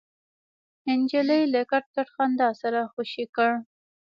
نجلۍ له کټ کټ خندا سره خوشې کړ.